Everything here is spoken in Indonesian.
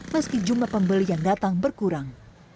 meski jumlah pembeli yang datang berkurang